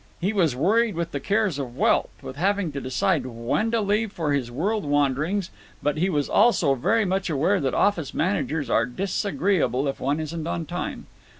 He was worried with the cares of wealth, with having to decide when to leave for his world wanderings, but he was also very much aware that office managers are disagreeable if one isn't on time.